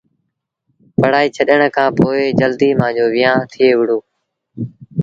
پڙهآئيٚ ڇڏڻ کآݩ پو جلديٚ مآݩجو ويهآݩ ٿئي وُهڙو ۔